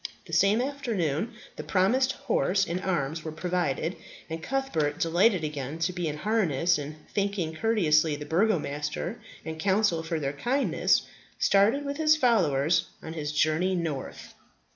The same afternoon the promised horse and arms were provided, and Cuthbert, delighted again to be in harness, and thanking courteously the Burgomaster and council for their kindness, started with his followers on his journey north.